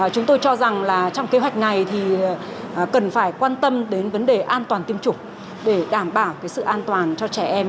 chúng tôi cho rằng là trong kế hoạch này thì cần phải quan tâm đến vấn đề an toàn tiêm chủng để đảm bảo sự an toàn cho trẻ em